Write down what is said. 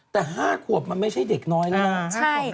แต่๕ขวบมันไม่ใช่เด็กน้อยแล้วนะ